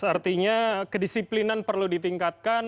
artinya kedisiplinan perlu ditingkatkan